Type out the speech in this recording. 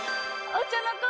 お茶の子